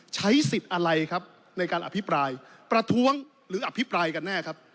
ใช้สิทธิ์อะไรครับในการอภิปรายประท้วงหรืออภิปรายกันแน่ครับ